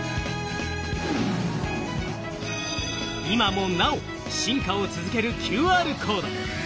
今もなお進化を続けるＱＲコード。